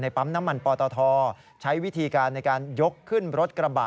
ปั๊มน้ำมันปตทใช้วิธีการในการยกขึ้นรถกระบะ